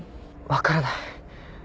わからない。